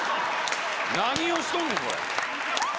何をしとんねん！